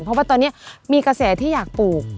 เพราะว่าตอนนี้มีกระแสที่อยากปลูก